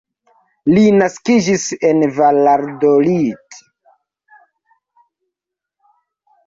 Li naskiĝis en Valladolid.